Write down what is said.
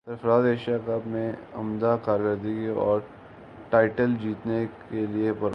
سرفراز Asia cup میں عمدہ کارکردگی اور ٹائٹل جیتنے کیلئے پرعزم